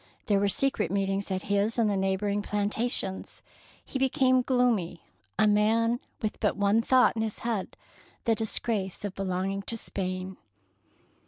There were secret meetings at his and the neighbouring plantations. He be came gloomy, a man with but one thought in his head, — the disgrace of belonging to Spain.